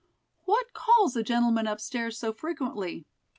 "What calls the gentlemen up stairs so frequently?"